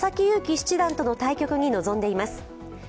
勇気七段との対局に臨んでいます。